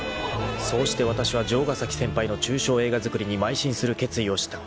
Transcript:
［そうしてわたしは城ヶ崎先輩の中傷映画作りにまい進する決意をした。